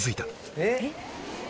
「えっ！？」